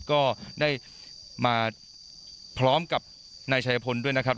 ก็ได้มาพร้อมกับนายชายพลด้วยนะครับ